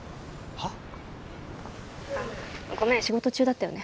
☎あっごめん仕事中だったよね